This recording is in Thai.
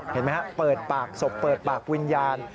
เห็นไหมฮะเปิดปากศพเปิดปากวิญญาณ